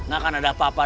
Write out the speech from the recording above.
gak akan ada apa apa